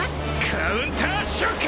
カウンターショック！